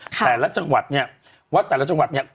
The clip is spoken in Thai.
แต่ละจังหวัดเนี่ยว่าแต่ละจังหวัดเนี่ย